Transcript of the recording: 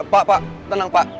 pak pak tenang pak